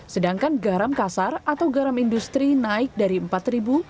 sedangkan garam kasar atau garam industri naik dari rp empat